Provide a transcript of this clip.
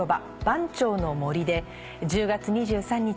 「番町の森」で１０月２３日